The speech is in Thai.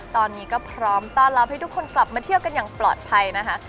ตอนนี้ก็พร้อมต้อนรับให้ทุกคนกลับมาเที่ยวกันอย่างปลอดภัยนะคะ